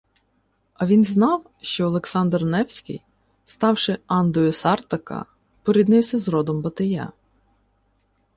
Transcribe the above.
А він знав, що Олександр Невський, ставши андою Сартака, поріднився з родом Батия